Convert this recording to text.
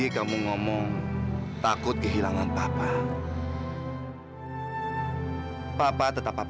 kau mau apa